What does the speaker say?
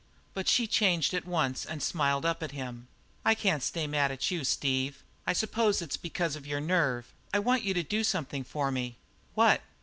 But she changed at once, and smiled up to him. "I can't stay mad at you, Steve. I s'pose it's because of your nerve. I want you to do something for me." "What?"